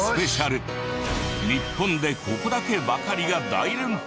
「日本でここだけ！！」ばかりが大連発！